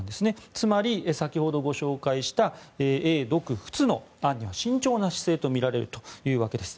つまり、先ほどご紹介した英独仏の案には慎重な姿勢とみられるというわけです。